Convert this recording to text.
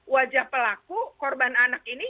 wajah pelaku korban anak ini